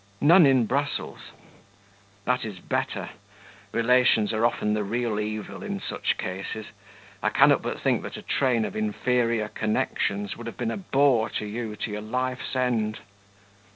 "None in Brussels." "That is better. Relations are often the real evil in such cases. I cannot but think that a train of inferior connections would have been a bore to you to your life's end."